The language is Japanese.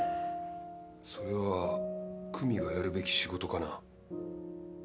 それは久実がやるべき仕事かな？